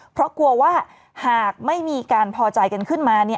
เพราะกลัวว่าหากไม่มีการพอใจกันขึ้นมา